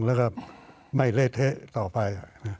และไม่เล่เทะต่อไป